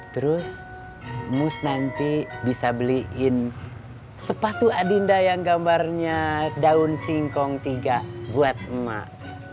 terus mus nanti bisa beliin sepatu adinda yang gambarnya daun singkong tiga buat emak